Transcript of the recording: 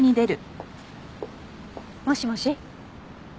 もしもし。